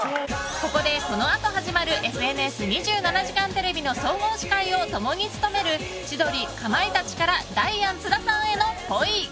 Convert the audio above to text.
ここで、このあと始まる「ＦＮＳ２７時間テレビ」の総合司会を共に務める千鳥、かまいたちからダイアン津田さんへの「っぽい」。